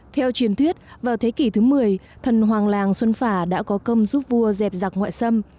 theo truyền thuyết vào thế kỷ thứ một mươi thần hoàng làng xuân phả đã có công giúp vua dẹp giặc ngoại xâm